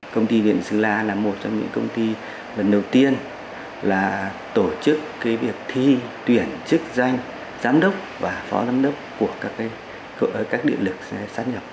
công ty điện sơn la là một trong những công ty lần đầu tiên là tổ chức việc thi tuyển chức danh giám đốc và phó giám đốc của các điện lực sát nhập